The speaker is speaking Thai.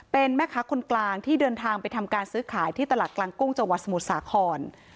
เป็นแม่ค้าคนกลางที่เดินทางไปทำการซื้อขายที่ตลาดกลางกุ้งจังหวัดสมุทรสาคร